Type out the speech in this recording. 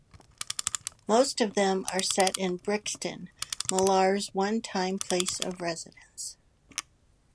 Most of them are set in Brixton, Millar's one-time place of residence.